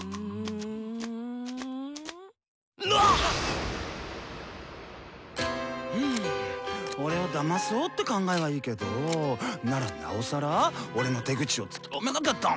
なっ⁉ん俺をだまそうって考えはいいけどぉならなおさら俺の手口をつきとめなきゃダメヨォ。